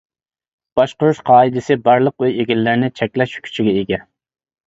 باشقۇرۇش قائىدىسى بارلىق ئۆي ئىگىلىرىنى چەكلەش كۈچىگە ئىگە.